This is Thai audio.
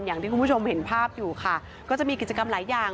อย่างที่คุณผู้ชมเห็นภาพอยู่ค่ะก็จะมีกิจกรรมหลายอย่าง